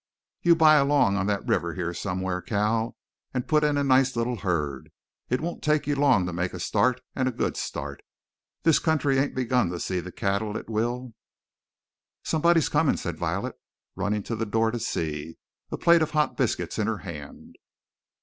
"You buy along on the river here somewhere, Cal, and put in a nice little herd. It won't take you long to make a start, and a good start. This country ain't begun to see the cattle it will " "Somebody comin'," said Violet, running to the door to see, a plate of hot biscuits in her hand.